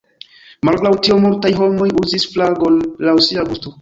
Malgraŭ tio multaj homoj uzis flagon laŭ sia gusto.